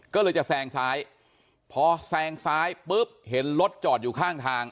ก็เลยจะแซงซ้ายพอแซงซ้ายปุ๊บเห็นรถจอดอยู่ข้างทาง